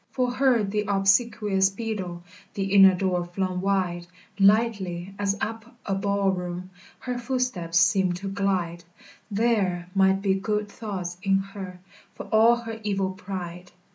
For her the obsequious beadle The inner door flung wide; Lightly, as up a ball room, Her footsteps seemed to glide, There might be good thoughts in her, For all her evil pride.